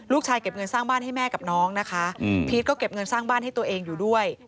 เก็บเงินสร้างบ้านให้แม่กับน้องนะคะพีชก็เก็บเงินสร้างบ้านให้ตัวเองอยู่ด้วย